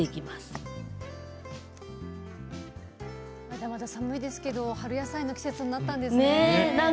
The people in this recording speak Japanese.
まだまだ寒いですけれど春野菜の季節になったんですね。